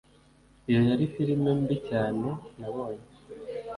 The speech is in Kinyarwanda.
Iyo yari firime mbi cyane nabonye